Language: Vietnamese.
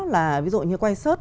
là ví dụ như quay sớt